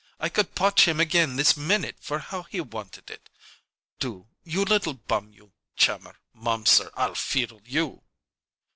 I could potch him again this minute for how he wanted it! Du you little bum you chammer momser I'll feedle you!"